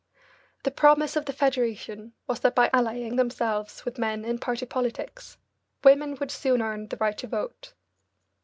The promise of the Federation was that by allying themselves with men in party politics, women would soon earn the right to vote.